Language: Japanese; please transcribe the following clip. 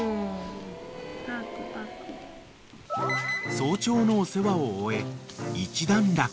［早朝のお世話を終え一段落］